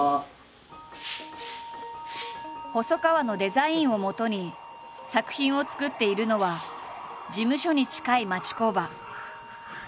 細川のデザインをもとに作品を作っているのは事務所に近い町工場。